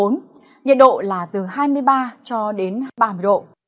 nhiệt độ là từ hai mươi ba ba mươi năm độ